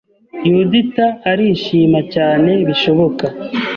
Yudita arishima cyane bishoboka